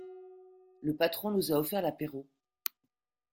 Le patron nous a offert l'apéro.